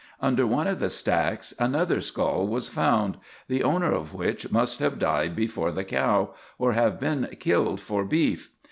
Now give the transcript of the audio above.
Under one of the stacks another skull was found, the owner of which must have died before the cow, or have been killed for beef.